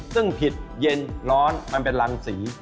ซึ่งผิดเย็นร้อนมันเป็นรังสี